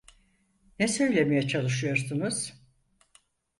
Ne söylemeye çalışıyorsunuz?